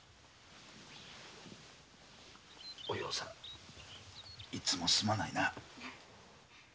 お葉さんいつもすまないな。